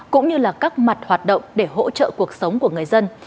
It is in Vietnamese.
cũng như là các mặt hoạt động để hỗ trợ cuộc sống của người dân